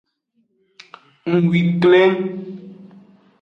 Nwi kleng.